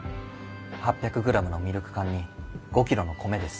８００ｇのミルク缶に５ｋｇの米です。